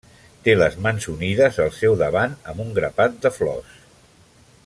Té les mans unides al seu davant amb un grapat de flors.